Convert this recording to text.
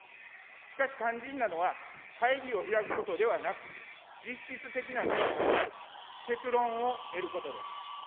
しかし肝心なのは会議を開くことではなく、実質的な議論を行い、結論を得ることです。